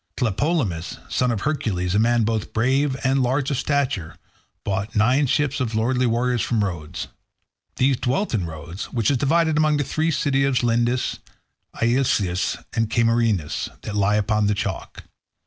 Tlepolemus, son of Hercules, a man both brave and large of stature, brought nine ships of lordly warriors from Rhodes. These dwelt in Rhodes which is divided among the three cities of Lindus, Ielysus, and Cameirus, that lies upon the chalk.